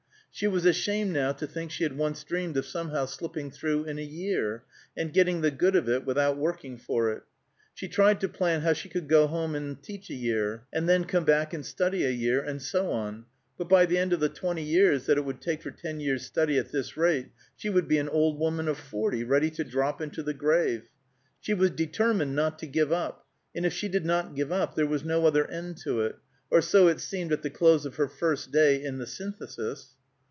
She was ashamed now to think she had once dreamed of somehow slipping through in a year, and getting the good of it without working for it. She tried to plan how she could go home and teach a year, and then come back and study a year, and so on; but by the end of the twenty years that it would take for ten years' study at this rate, she would be an old woman of forty, ready to drop into the grave. She was determined not to give up, and if she did not give up, there was no other end to it; or so it seemed at the close of her first day in the Synthesis.